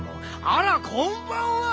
あらこんばんは。